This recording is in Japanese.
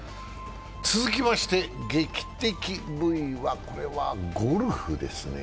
続きまして劇的Ｖは、ゴルフですね。